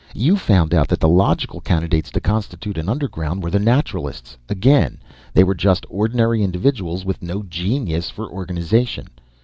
You found out that the logical candidates to constitute an Underground were the Naturalists; again, they were just ordinary individuals with no genius for organization.